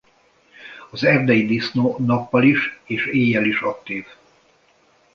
Az erdei disznó nappal is és éjjel is aktív.